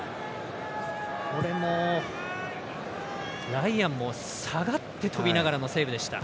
ライアンも下がって飛びながらのセーブでした。